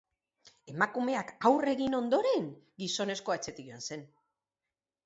Emakumeak aurre egin ondoren, gizonezkoa etxetik joan zen.